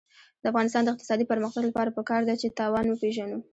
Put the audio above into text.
د افغانستان د اقتصادي پرمختګ لپاره پکار ده چې تاوان وپېژنو.